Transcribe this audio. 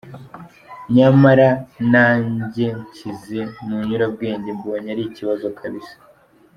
nyamara najye nshyize mu inyurabwenge mbonye ari ikibazo kbs.